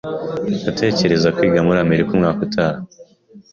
Ndatekereza kwiga muri Amerika umwaka utaha.